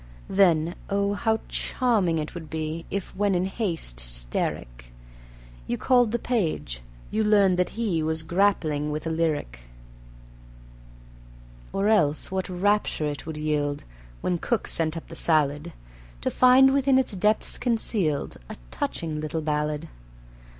Then, oh, how charming it would be If, when in haste hysteric You called the page, you learned that he Was grappling with a lyric. Or else what rapture it would yield, When cook sent up the salad, To find within its depths concealed A touching little ballad.